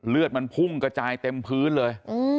เลือดมันพุ่งกระจายเต็มพื้นเลย